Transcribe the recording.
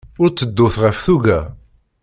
Ur tteddut ɣef tuga.